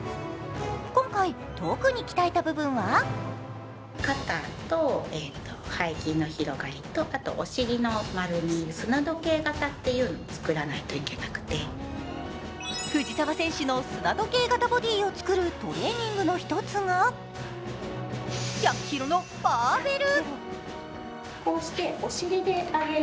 今回、特に鍛えた部分は藤澤選手の砂時計型ボディを作るトレーニングの１つが１００ｋｇのバーベル。